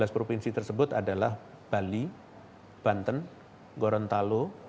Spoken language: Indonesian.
tujuh belas provinsi tersebut adalah bali banten gorontalo